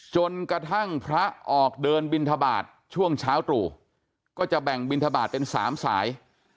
จนกระทั่งพระออกเดินบินทบาทช่วงเช้าตรู่ก็จะแบ่งบินทบาทเป็น๓สาย